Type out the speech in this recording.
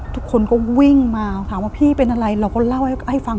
ทุกคนก็วิ่งมาถามว่าพี่เป็นอะไรเราก็เล่าให้ฟัง